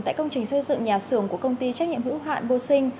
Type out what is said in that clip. tại công trình xây dựng nhà xưởng của công ty trách nhiệm hữu hạn vô sinh